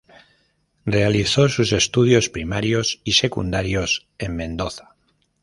Realizó sus estudios primarios y secundarios en Mendoza.